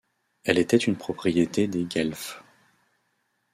Elle était une propriété des Guelfes.